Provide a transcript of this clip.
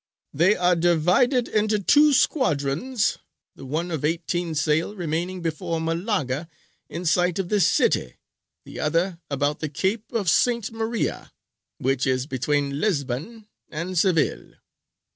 They are divided into two squadrons; the one of eighteen sail remaining before Malaga, in sight of the city; the other about the Cape of S. Maria, which is between Lisbon and Seville.